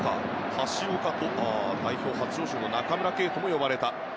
橋岡と、代表初招集の中村敬斗も呼ばれた。